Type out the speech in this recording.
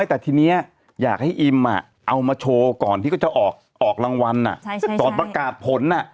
แต่ทีนี้อยากให้อิมเอามาโชว์ก่อนที่เขาจะออกรางวัลก่อนประกาศผล